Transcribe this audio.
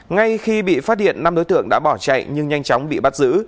ngay khi bị phát hiện năm đối tượng đã bỏ chạy nhưng nhanh chóng bị bắt giữ